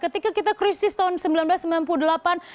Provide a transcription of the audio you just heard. ketika kita krisis tahun seribu sembilan ratus sembilan puluh delapan